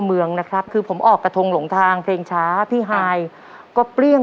เมืองนะครับคือผมออกกระทงหลงทางเพลงช้าพี่ฮายก็เปรี้ยง